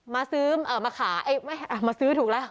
มาซื้อเอ่อมาขายเอ๊ะมาซื้อถูกแล้ว